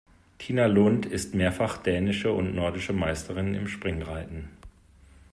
Tina Lund ist mehrfache dänische und nordische Meisterin im Springreiten.